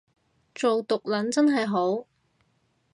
做毒撚真係好